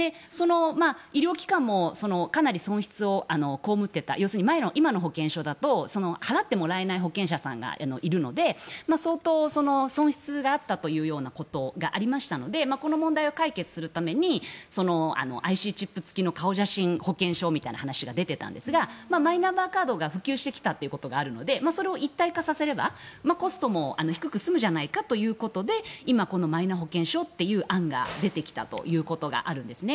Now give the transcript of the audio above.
医療機関もかなり損失を被っていた要するに今の保険証だと払ってもらえない保険者さんがいるので相当、損失があったということがありましたのでこの問題を解決するためにＩＣチップ付きの顔写真保険証みたいな話が出ていたんですがマイナンバーカードが普及してきたことがあるのでそれを一体化させればコストも低く済むじゃないかということで今、このマイナ保険証という案が出てきたということがあるんですね。